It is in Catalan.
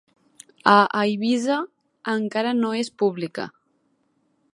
A Eivissa encara no és pública.